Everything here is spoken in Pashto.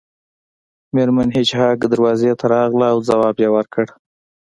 میرمن هیج هاګ دروازې ته راغله او ځواب یې ورکړ